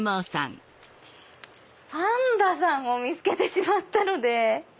パンダさんも見つけてしまったので。